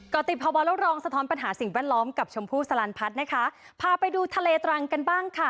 ก็ติดภาวะโลกรองสะท้อนปัญหาสิ่งแวดล้อมกับชมพู่สลันพัฒน์นะคะพาไปดูทะเลตรังกันบ้างค่ะ